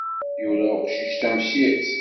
Yura uqcic tamsirt.